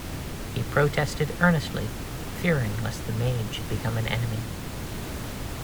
He protested earnestly, fearing lest the maid should become an enemy.